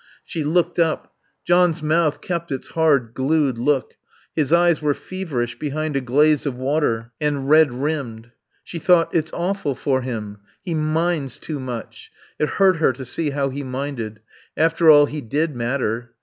She looked up. John's mouth kept its hard, glued look; his eyes were feverish behind a glaze of water, and red rimmed. She thought: It's awful for him. He minds too much. It hurt her to see how he minded. After all, he did matter.